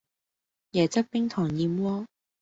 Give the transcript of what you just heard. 椰汁冰糖燕窩